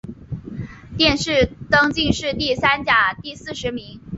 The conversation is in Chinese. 殿试登进士第三甲第四十名。